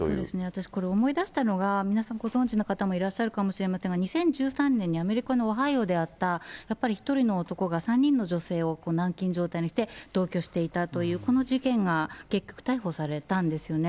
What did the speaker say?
私、これ思い出したのが、皆さんご存じの方もいらっしゃるかもしれませんが、２０１３年にアメリカのオハイオであった、やっぱり１人の男が３人の女性を軟禁状態にして、同居していたという、この事件が、結局、逮捕されたんですよね。